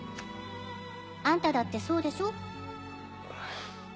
アンタだってそうでしょ？